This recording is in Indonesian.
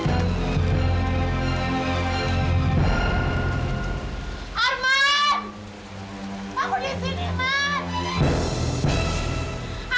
tunggu dustyin mas